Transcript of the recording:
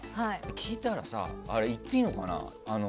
聞いたらさ、言っていいのかな？